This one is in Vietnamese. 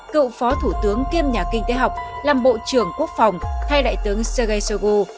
cựu phó thủ tướng kiêm nhà kinh tế học làm bộ trưởng quốc phòng hay đại tướng sergei shoigu